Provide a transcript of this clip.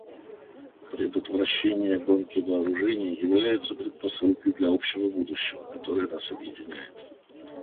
Предотвращение гонки вооружений является предпосылкой для общего будущего, которое нас объединяет.